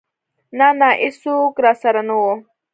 نه نه ايڅوک راسره نه و.